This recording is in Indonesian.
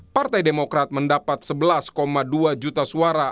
partai demokrat mendapat sebelas dua juta suara